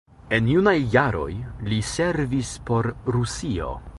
En junaj jaroj li servis por Rusio.